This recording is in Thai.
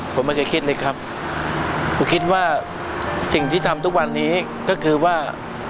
ผมไม่เคยคิดเลยครับผมคิดว่าสิ่งที่ทำทุกวันนี้ก็คือว่า